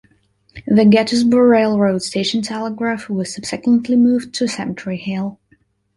The Gettysburg Railroad Station telegraph was subsequently moved to Cemetery Hill.